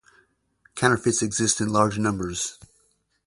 Counterfeits exist in large numbers.